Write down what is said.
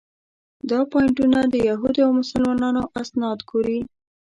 دا پواینټونه د یهودو او مسلمانانو اسناد ګوري.